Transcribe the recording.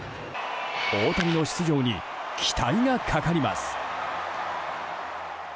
大谷の出場に期待がかかります。